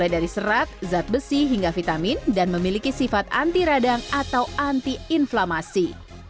dari serat zat besi hingga vitamin dan memiliki sifat anti radang atau anti inflamasi